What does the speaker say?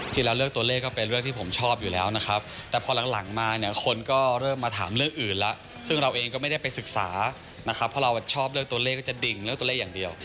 จริงแล้วเลือกตัวเลขก็เป็นเรื่องที่ผมชอบอยู่แล้วนะครับแต่พอหลังมาเนี่ยคนก็เริ่มมาถามเรื่องอื่นแล้วซึ่งเราเองก็ไม่ได้ไปศึกษานะครับเพราะเราชอบเลือกตัวเลขก็จะดิ่งเลือกตัวเลขอย่างเดียว